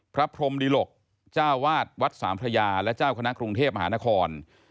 พระพรมดิหลกเจ้าวาดวัดสามพระยาและเจ้าคณะกรุงเทพมหานคร